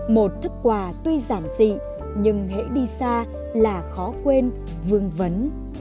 một thức quà tuy giản dị nhưng hãy đi xa là khó quên vương vấn